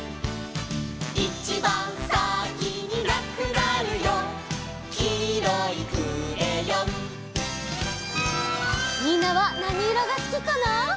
「いちばんさきになくなるよ」「きいろいクレヨン」みんなはなにいろがすきかな？